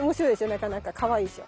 なかなかかわいいでしょ。